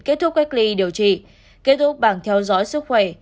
kết thúc cách ly điều trị kết thúc bảng theo dõi sức khỏe